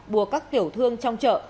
bùa các tiểu thương trong chợ